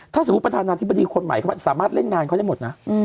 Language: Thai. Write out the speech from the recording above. ถ้าสมมุติประธานาธิบดีคนใหม่เขาสามารถเล่นงานเขาได้หมดนะ